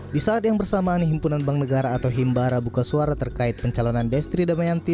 di saat yang bersamaan himpunan bank negara atau himbara buka suara terkait pencalonan destri damayanti